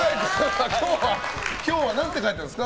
今日は何て書いてあるんですか？